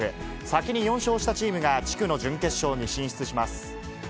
先に４勝したチームが、地区の準決勝に進出します。